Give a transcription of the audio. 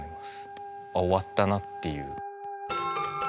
あ終わったなっていう。